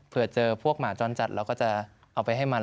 เพื่อเจอพวกหมาจรจัดเราก็จะเอาไปให้มัน